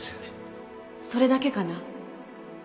それだけかな？